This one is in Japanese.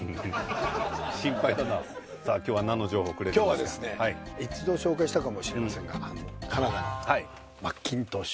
今日はですね一度紹介したかもしれませんがカナダのマッキントッシュ。